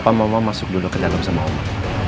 papa mama masuk dulu ke dalam sama oma